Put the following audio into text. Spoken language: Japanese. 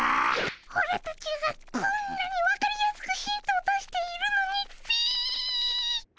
オラたちがこんなに分かりやすくヒントを出しているのにっピィ。